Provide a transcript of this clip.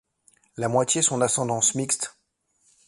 La moitié sont d'ascendance mixte.